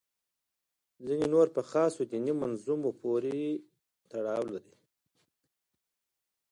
ځینې نور په خاصو دیني منظومو پورې تړاو لري.